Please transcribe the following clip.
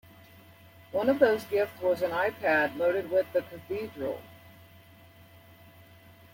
One of those gifts was an iPad loaded with "The Cathedral".